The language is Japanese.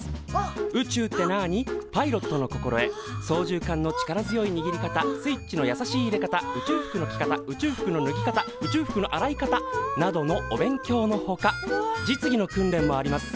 「宇宙ってなぁに」「パイロットの心得」「操縦桿の力強い握り方」「スイッチのやさしい入れ方」「宇宙服の着方」「宇宙服の脱ぎ方」「宇宙服の洗い方」などのお勉強のほか実技の訓練もあります。